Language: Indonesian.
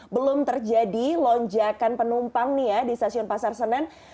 belum terjadi lonjakan penumpang di stasiun pasar senen